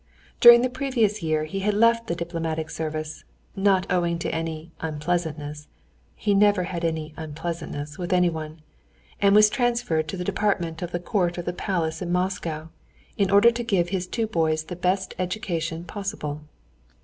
During the previous year he had left the diplomatic service, not owing to any "unpleasantness" (he never had any "unpleasantness" with anyone), and was transferred to the department of the court of the palace in Moscow, in order to give his two boys the best education possible.